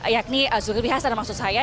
yakni zulkifli hasan maksud saya